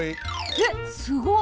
えっすごっ！